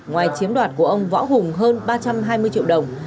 ngoài chiếm đoạt của ông võ hùng hơn ba trăm hai mươi triệu đồng